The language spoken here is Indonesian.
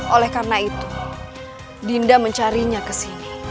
oleh karena itu dinda mencarinya ke sini